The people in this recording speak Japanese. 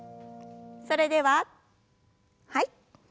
それでははい。